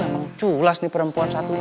emang culas nih perempuan satu ini